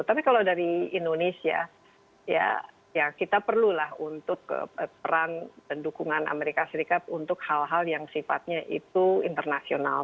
tapi kalau dari indonesia ya kita perlulah untuk peran dan dukungan amerika serikat untuk hal hal yang sifatnya itu internasional